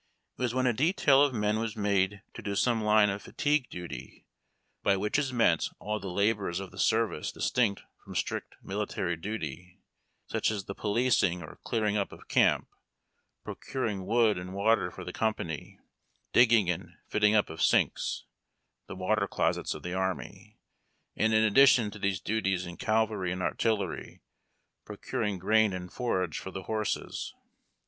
It was when a detail of men was made to do some line of fatigue duty., by which is THE KHEIMATK JONAHS AND BEATS. 101 meant all the labors of the service distinct from strict mili taiy duty, such as the " policing " or clearing np of camp, procuring wood and water for the company, digging and fitting up of sinks (the water closets of the army), and, in addition to these duties, in cavalry and artillery, procuring grain and forage for the horses.